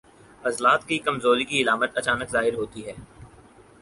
عضلات کی کمزوری کی علامات اچانک ظاہر ہوتی ہیں